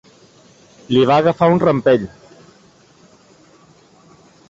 Li va agafar un rampell.